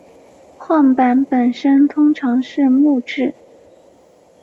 晃板本身通常是木制。